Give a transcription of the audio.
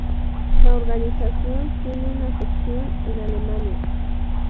La organización tiene una sección en Alemania.